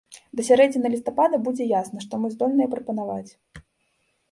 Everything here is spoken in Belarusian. Да сярэдзіны лістапада будзе ясна, што мы здольныя прапанаваць.